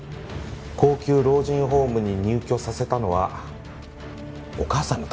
高級老人ホームに入居させたのはお母さんのためですよね？